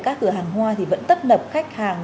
các cửa hàng hoa thì vẫn tấp nập khách hàng